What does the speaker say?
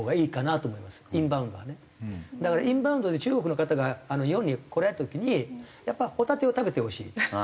だからインバウンドで中国の方が日本に来られた時にやっぱホタテを食べてほしい。